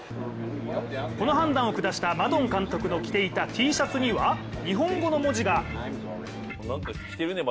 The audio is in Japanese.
この判断を下したマドン監督のきていたＴシャツには日本語の文字が！